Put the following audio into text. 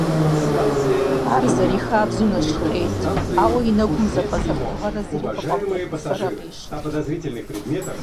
Ар, зэрихабзэу, нэщхъейт, ауэ и нэгум зэпӀэзэрытыгъэрэ зыри къыфӀэмыӀуэхуфэрэ къищырт.